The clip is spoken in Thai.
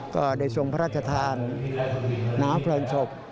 ก็ได้ทรงพระราชทานน้ำเพลิงศพ